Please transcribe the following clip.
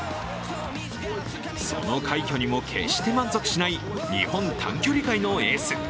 その快挙にも決して満足しない日本短距離界のエース。